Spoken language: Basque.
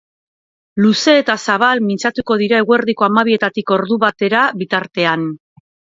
Luze eta zabal mintzatuko dira eguerdiko hamabietatik ordubatera bitartean.